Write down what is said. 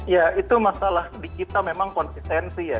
ya itu masalah di kita memang konsistensi ya